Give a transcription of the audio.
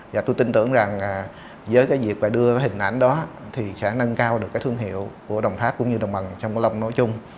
và tôi tin tưởng rằng với việc đưa hình ảnh đó thì sẽ nâng cao được thương hiệu của đồng tháp cũng như đồng bằng trong lòng nói chung